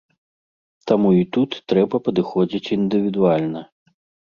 Таму і тут трэба падыходзіць індывідуальна.